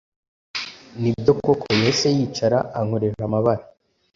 Nibyo koko yahise yicara ankorera amabara